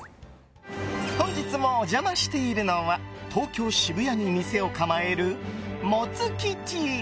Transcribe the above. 本日もお邪魔しているのは東京・渋谷に店を構えるもつ吉。